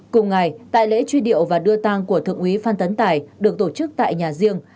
cùng ngày tại lễ truy điệu và đưa tang của thượng úy phan tấn tài được tổ chức tại nhà riêng